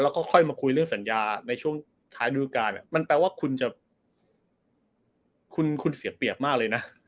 แล้วก็ค่อยมาคุยเรื่องสัญญาในช่วงท้ายดูการมันแปลว่าคุณจะคุณเสียเปรียบมากเลยนะ